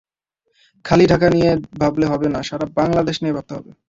খালি ঢাকা নিয়ে ভাবলে হবে না, সারা বাংলাদেশ নিয়ে ভাবতে হবে।